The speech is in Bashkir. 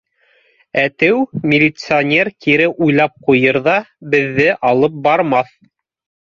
Әтеү, милиционер кире уйлап ҡуйыр ҙа, беҙҙе алып бармаҫ.